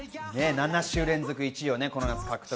７週連続１位です。